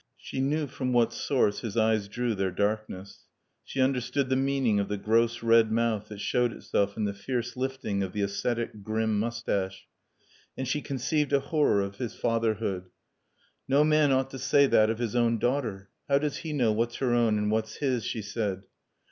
She knew from what source his eyes drew their darkness. She understood the meaning of the gross red mouth that showed itself in the fierce lifting of the ascetic, grim moustache. And she conceived a horror of his fatherhood. "No man ought to say that of his own daughter. How does he know what's her own and what's his?" she said.